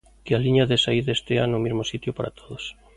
Que a liña de saída estea no mesmo sitio para todos.